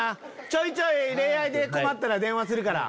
ちょいちょい恋愛で困ったら電話するから。